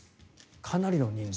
かなりの人数。